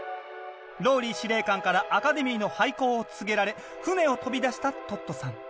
ＲＯＬＬＹ司令官からアカデミーの廃校を告げられ船を飛び出したトットさん。